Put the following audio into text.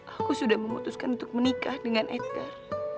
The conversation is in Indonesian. aku sudah memutuskan untuk menikah dengan edgar